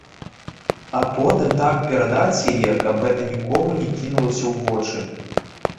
А потым так перадаць яе, каб гэта нікому не кінулася ў вочы.